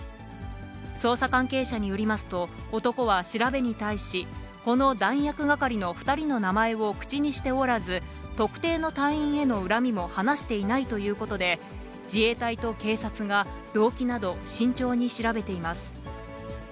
捜査関係者によりますと、男は調べに対し、この弾薬係の２人の名前を口にしておらず、特定の隊員への恨みも話していないということで、自衛隊と警察が動機など、慎重に調べています。